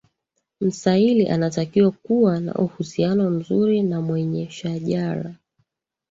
msaili anatakiwa kuwa na uhusiano mzuri na mwenye shajara